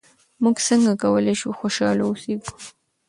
موږ څنګه کولای شو خوشحاله اوسېږو؟